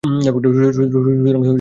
সুতরাং তোমরা আমাকে পাঠাও।